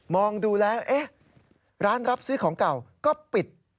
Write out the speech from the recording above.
มองดูแล้วร้านรับซื้อของเก่าก็ปิด